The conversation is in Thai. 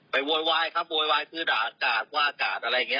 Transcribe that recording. โวยวายครับโวยวายคือด่ากาดว่าอากาศอะไรอย่างนี้